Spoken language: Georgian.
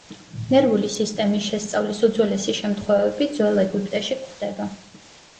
ნერვული სისტემის შესწავლის უძველესი შემთხვევები ძველ ეგვიპტეში გვხვდება.